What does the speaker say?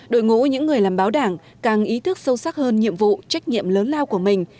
đội ngũ những người làm báo đảng càng ý thức sâu sắc hơn nhiệm vụ trách nhiệm lớn lao của mình